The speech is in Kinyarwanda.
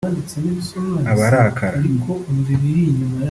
abarakara